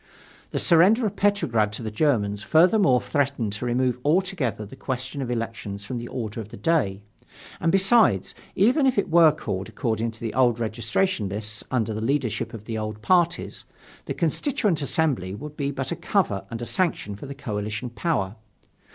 The surrender of Petrograd to the Germans, furthermore, threatened to remove altogether the question of elections from the order of the day. And, besides, even if it were called according to the old registration lists under the leadership of the old parties, the Constituent Assembly would be but a cover and a sanction for the coalition power.